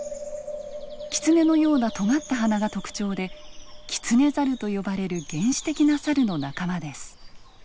キツネのようなとがった鼻が特徴でキツネザルと呼ばれる原始的なサルの仲間です。